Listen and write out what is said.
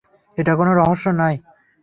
এটা কোনো রহস্য নয়।